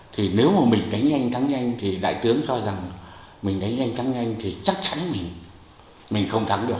thì nếu mà mình đánh nhanh thắng nhanh thì đại tướng cho rằng mình đánh nhanh thắng nhanh thì chắc chắn mình không thắng được